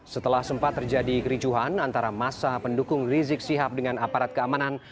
setelah sempat terjadi kericuhan antara masa pendukung rizik sihab dengan aparat keamanan